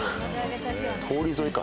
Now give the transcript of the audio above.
通り沿いか。